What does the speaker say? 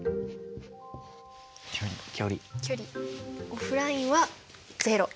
オフラインはゼロ。